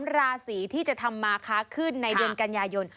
ราศีที่จะทำมาค้าขึ้นในเดือนกันยายน